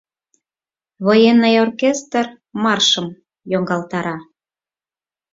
Военный оркестр маршым йоҥгалтара.